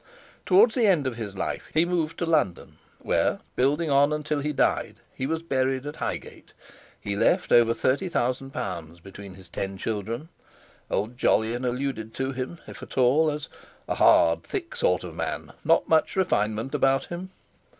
Towards the end of his life he moved to London, where, building on until he died, he was buried at Highgate. He left over thirty thousand pounds between his ten children. Old Jolyon alluded to him, if at all, as "A hard, thick sort of man; not much refinement about him."